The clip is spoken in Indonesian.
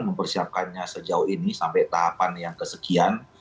mempersiapkannya sejauh ini sampai tahapan yang kesekian